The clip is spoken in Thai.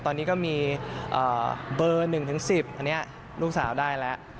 ตอนนี้ก็มีเบอร์๑๑๐อันนี้ลูกสาวได้แล้ว